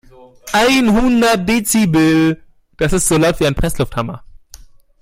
Einhundert Dezibel, das ist so laut wie ein Presslufthammer.